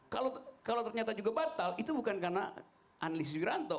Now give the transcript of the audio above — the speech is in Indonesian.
kalau ternyata juga batal itu bukan karena analis wiranto